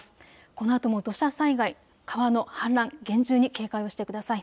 このあとも土砂災害、川の氾濫、厳重に警戒をしてください。